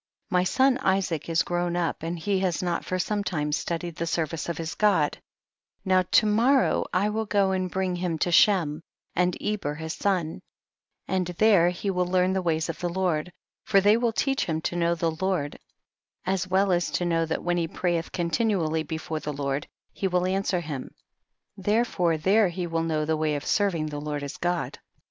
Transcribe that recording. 5. My son Isaac is grown up and he has not for some time studied the service of his God, now to morrow I will go and bring him to Shem, and Eber his son, and there he will learn the ways of the Lord, for they will teach him to know the Lord as well as to know that when he prayeth continually before the Lord, he will answer him, therefore there he will know the way of serving the Lord his God.